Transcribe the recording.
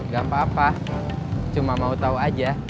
gak papa cuma mau tau aja